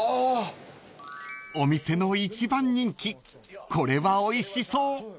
［お店の一番人気これはおいしそう］